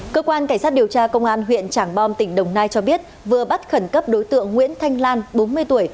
cơ quan cảnh sát điều tra công an huyện trảng bom tỉnh đồng nai cho biết vừa bắt khẩn cấp đối tượng nguyễn thanh lan bốn mươi tuổi